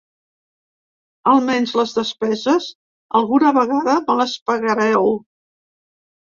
Almenys les despeses, alguna vegada, me les pagareu.